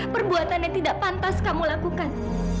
perbuatan yang tidak pantas kamu lakukan